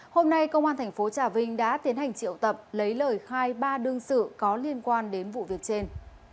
hôm nay công an tp trà vinh đã tiến hành triệu tập lấy lời khai ba đương sự có liên quan đến vụ việc trên